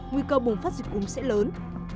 nguy cơ bùng phát dịch uống sẽ lớn